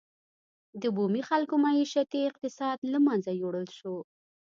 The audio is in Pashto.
د بومي خلکو معیشتي اقتصاد له منځه یووړل شو.